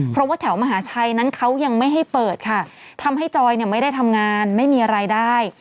เพราะว่าแถวมหาชัยนั้นเขายังไม่ให้เปิดค่ะทำให้จอยเนี่ยไม่ได้ทำงานไม่มีรายได้